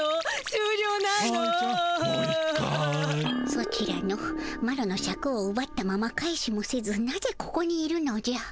ソチらのマロのシャクをうばったまま返しもせずなぜここにいるのじゃ。